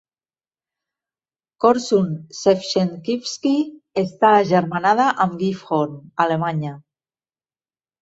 Korsun-Shevchenkivskyi està agermanada amb Gifhorn, Alemanya.